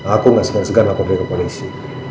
aku gak segan segan aku pergi ke polisi